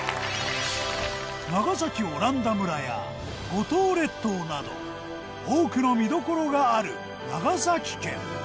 長崎オランダ村や五島列島など多くの見どころがある長崎県。